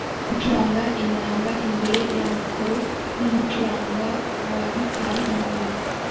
gucuranga inanga imbere ya mikoro n'umucuranga wa gitari inyuma